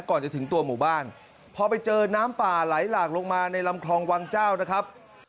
ก่อนจะถึงตัวหมู่บ้านพอไปเจอน้ำป่าไหลหลากลงมาในลำคลองวังเจ้านะครับ